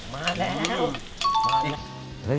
มาแล้ว